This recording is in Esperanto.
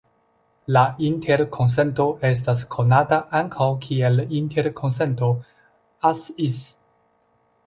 La interkonsento estas konata ankaŭ kiel interkonsento "As-Is".